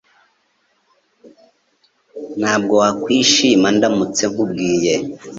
Ntabwo wakwishima ndamutse nkubwiye